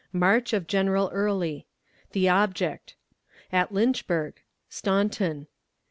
March of General Early. The Object. At Lynchburg. Staunton.